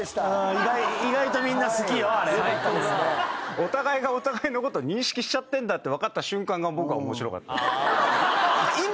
お互いがお互いのこと認識しちゃってんだって分かった瞬間が僕は面白かった。